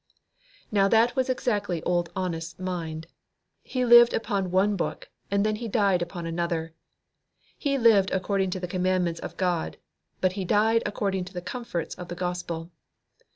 Now, that was exactly Old Honest's mind. He lived upon one book, and then he died upon another. He lived according to the commandments of God, but he died according to the comforts of the Gospel.